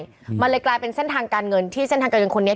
อืมมันเลยกลายเป็นเส้นทางการเงินที่เส้นทางการเงินคนนี้